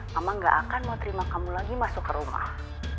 mama gak akan mau terima kamu lagi masuk ke rumah